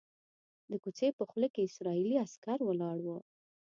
د کوڅې په خوله کې اسرائیلي عسکر ولاړ وو.